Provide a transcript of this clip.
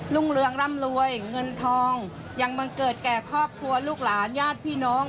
รุ่งเรืองร่ำรวยเงินทองยังบังเกิดแก่ครอบครัวลูกหลานญาติพี่น้อง